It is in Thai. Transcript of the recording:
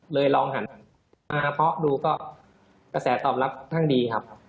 ลองหันมาเพาะดูก็กระแสตอบรับทั้งดีครับ